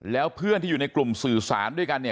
แล้วเพื่อนที่อยู่ในกลุ่มสื่อสารด้วยกันเนี่ย